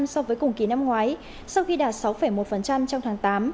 so với cùng kỳ năm ngoái sau khi đạt sáu một trong tháng tám